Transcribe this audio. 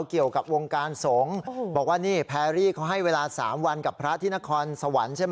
เกี่ยวกับวงการสงฆ์บอกว่านี่แพรรี่เขาให้เวลา๓วันกับพระที่นครสวรรค์ใช่ไหม